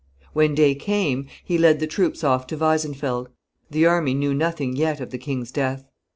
When day came, he led the troops off to Weisenfeld. The army knew nothing yet of the king's death.